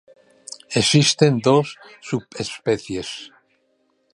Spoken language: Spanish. Existen dos subespecies.